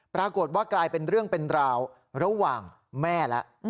ปรากฏว่ากลายเป็นเรื่องเป็นราวระหว่างแม่แล้ว